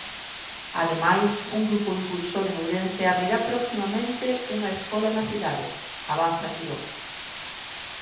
Ademais, "un grupo impulsor en Ourense abrirá proximamente un escola na cidade", avanza Quiroga.